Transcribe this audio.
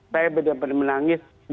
saya benar benar menangis